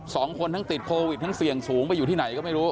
สองคนทั้งติดโควิดทั้งเสี่ยงสูงไปอยู่ที่ไหนก็ไม่รู้